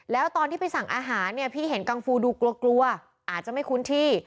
แล้วตอนที่ไปสั่งอาหารเนี่ยพี่เห็นกังฟูดูกลัวกลัวอาจจะไม่คุ้นที่